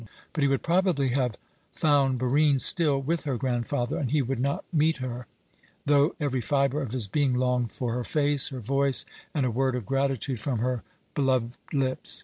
But he would probably have found Barine still with her grandfather, and he would not meet her, though every fibre of his being longed for her face, her voice, and a word of gratitude from her beloved lips.